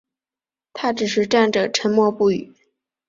他只是站着沉默不语